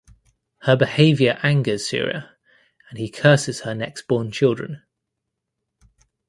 Her behaviour angers Surya and he curses her next born children.